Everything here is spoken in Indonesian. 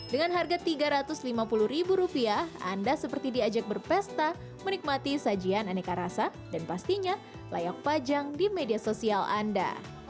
dengan harga rp tiga ratus lima puluh ribu rupiah anda seperti diajak berpesta menikmati sajian aneka rasa dan pastinya layak pajang di media sosial anda